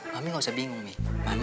mami gak usah bingung mami